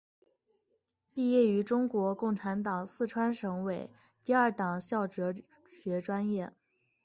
毕业于中国共产党四川省委第二党校哲学专业。